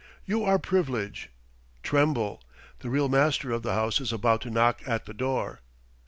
You are Privilege. Tremble! The real master of the house is about to knock at the door.